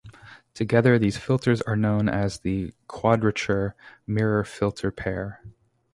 Together these filters are known as the Quadrature Mirror Filter pair.